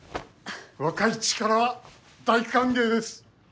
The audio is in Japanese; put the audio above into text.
若い力は大歓迎です。